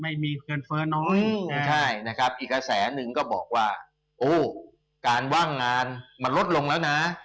อีกกระแสหนึ่งก็บอกว่าการว่างงานมันลดลงแล้วนะ